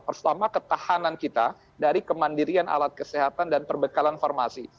pertama ketahanan kita dari kemandirian alat kesehatan dan perbekalan farmasi